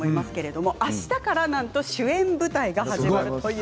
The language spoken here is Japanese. あしたからなんと主演舞台が始まります。